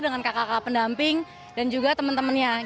dengan kakak kakak pendamping dan juga temen temennya